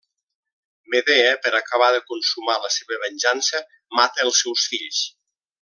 Medea, per acabar de consumar la seva venjança, mata els seus fills.